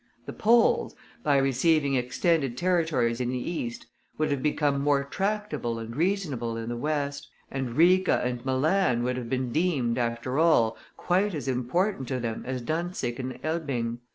The Poles, by receiving extended territories in the east, would have become more tractable and reasonable in the west; and Riga and Milan would have been deemed, after all, quite as important to them as Danzig and Elbing.